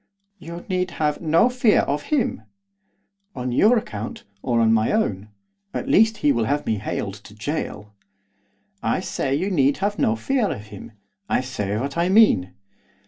'You need have no fear of him.' 'On your account, or on my own? At least he will have me haled to gaol.' 'I say you need have no fear of him. I say what I mean.